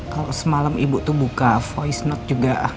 kalau semalam ibu tuh buka voice note juga